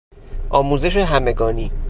آموزش همگانی